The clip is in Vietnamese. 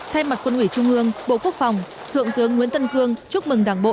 thay mặt quân ủy trung ương bộ quốc phòng thượng tướng nguyễn tân cương chúc mừng đảng bộ